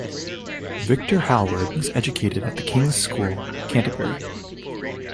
Victor Halward was educated at The King's School, Canterbury.